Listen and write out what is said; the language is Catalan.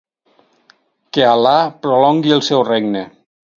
Que Al·là prolongui el seu regne.